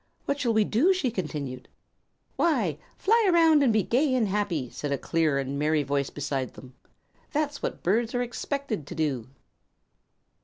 "What shall we do?" she continued. "Why, fly around and be gay and happy," said a clear and merry voice beside them. "That's what birds are expected to do!"